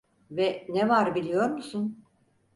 Ve ne var biliyor musun?